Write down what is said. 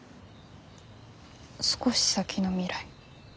少し先の未来？